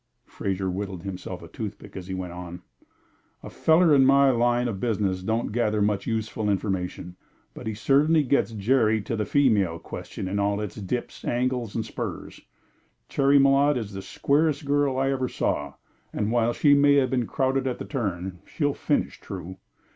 Fraser whittled himself a toothpick as he went on: "A feller in my line of business don't gather much useful information, but he certainly gets Jerry to the female question in all its dips, angles, and spurs. Cherry Malotte is the squarest girl I ever saw, and while she may have been crowded at the turn, she'll finish true.